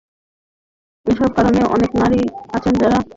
এসব কারণে, অনেক নারী আছেন যারা কখনোই রেস্তোরাঁয় একা খেতে যান না।